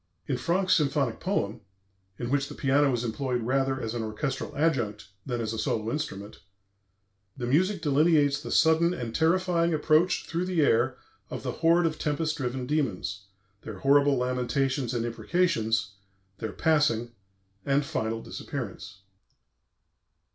In Franck's symphonic poem (in which the piano is employed rather as an orchestral adjunct than as a solo instrument) the music delineates the sudden and terrifying approach through the air of the horde of tempest driven demons, their horrible lamentations and imprecations, their passing and final disappearance.